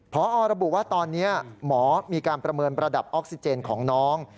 พอระบุว่าตอนนี้หมอมีการประเมินระดับออกซิเจนของน้อง